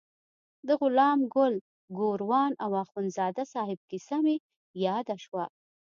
د غلام ګل ګوروان او اخندزاده صاحب کیسه مې یاده شوه.